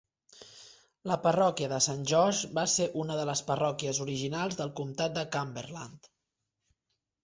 La parròquia de Saint George va ser una de les parròquies originals del comtat de Cumberland.